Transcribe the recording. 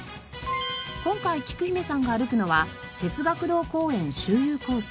今回きく姫さんが歩くのは哲学堂公園周遊コース。